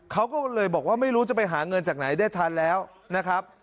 เขาก็เลยบอกว่าไม่รู้จะไปหาเงินจากไหนได้ทันแล้วนะครับ